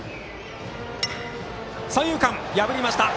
三遊間を破りました。